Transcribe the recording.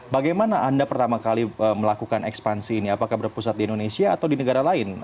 bagaimana anda pertama kali melakukan ekspansi ini apakah berpusat di indonesia atau di negara lain